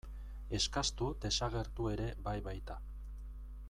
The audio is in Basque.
Eskastu desagertu ere bai baita.